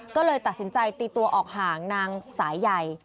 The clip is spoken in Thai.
ก็เลยตัดสินใจตีตัวออกห่างนางสายใหญ่